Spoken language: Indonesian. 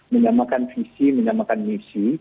menyamakan visi menyamakan misi